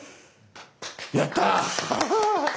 やった！